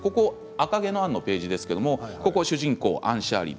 「赤毛のアン」のページですけれども主人公のアン・シャーリー